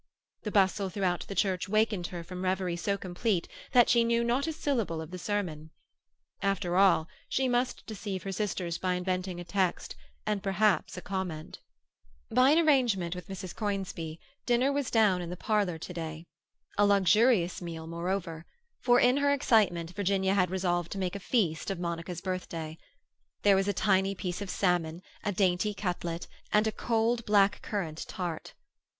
The bustle throughout the church wakened her from reverie so complete that she knew not a syllable of the sermon. After all she must deceive her sisters by inventing a text, and perhaps a comment. By an arrangement with Mrs. Conisbee, dinner was down in the parlour to day. A luxurious meal, moreover; for in her excitement Virginia had resolved to make a feast of Monica's birthday. There was a tiny piece of salmon, a dainty cutlet, and a cold blackcurrant tart.